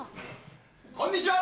こんにちは！